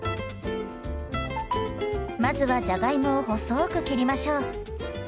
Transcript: まずはじゃがいもを細く切りましょう。